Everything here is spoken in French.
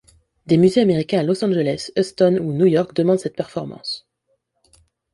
Des musées américains à Los Angeles, Huston ou New York demandent cette performance.